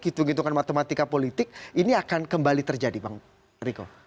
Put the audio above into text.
hitung hitungan matematika politik ini akan kembali terjadi bang riko